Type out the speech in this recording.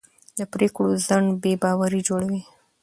د پرېکړو ځنډ بې باوري جوړوي